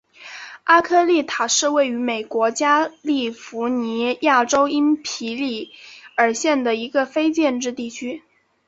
阿科利塔是位于美国加利福尼亚州因皮里尔县的一个非建制地区。